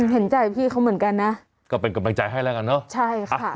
เห็นใจพี่เขาเหมือนกันนะก็เป็นกำลังใจให้แล้วกันเนอะใช่ค่ะ